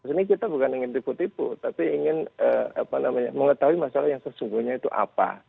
ini kita bukan ingin tipu tipu tapi ingin mengetahui masalah yang sesungguhnya itu apa